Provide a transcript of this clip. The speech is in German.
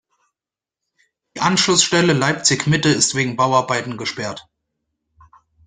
Die Anschlussstelle Leipzig-Mitte ist wegen Bauarbeiten gesperrt.